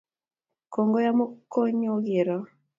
Kongoi amu konyogero